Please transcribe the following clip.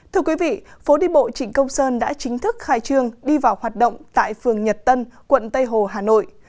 thưa quý vị phố đi bộ trịnh công sơn đã chính thức khai trương đi vào hoạt động tại phường nhật tân quận tây hồ hà nội